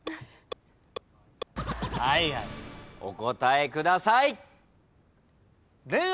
お答えください。